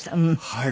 はい。